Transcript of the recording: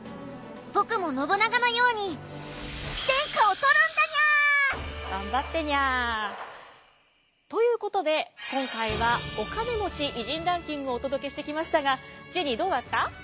僕も信長のように頑張ってにゃ。ということで今回はお金持ち偉人ランキングをお届けしてきましたがジェニーどうだった？